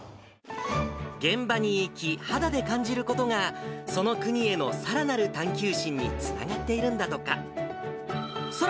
現場に行き、肌で感じることが、その国へのさらなる探究心につながっているんだとか。